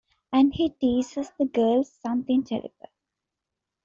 And he teases the girls something terrible.